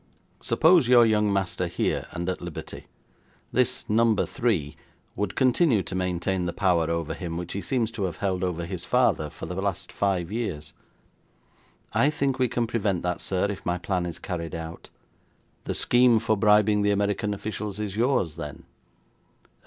Suppose your young master here, and at liberty. This Number Three would continue to maintain the power over him which he seems to have held over his father for the last five years.' 'I think we can prevent that, sir, if my plan is carried out.' 'The scheme for bribing the American officials is yours, then?'